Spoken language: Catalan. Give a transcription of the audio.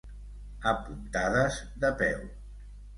A puntades de peu.